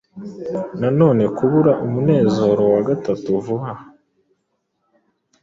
Noneho kubura umunezero wa gatatu vuba aha,